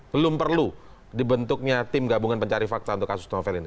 belum perlu dibentuknya tim gabungan pencari fakta untuk kasus novel ini